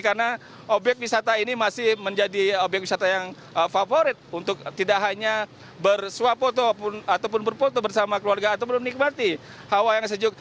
karena objek wisata ini masih menjadi objek wisata yang favorit untuk tidak hanya bersuapoto ataupun berfoto bersama keluarga ataupun menikmati hawa yang sejuk